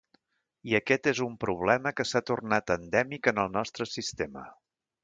I aquest és un problema que s’ha tornat endèmic en el nostre sistema.